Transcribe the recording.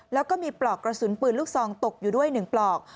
แล้วก็มีปลอกกระสุนปืนลูกซองตกอยู่ด้วย๑ปลอก